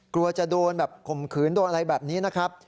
กลัวจะโดนแบบข่มขืนโดนอะไรแบบนี้นะครับ